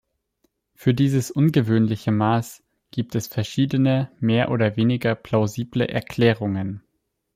Für dieses ungewöhnliche Maß gibt es verschiedene mehr oder weniger plausible Erklärungen.